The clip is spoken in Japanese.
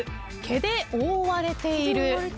毛で覆われている。